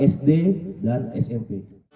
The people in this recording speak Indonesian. sd dan smp